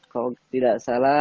kalau tidak salah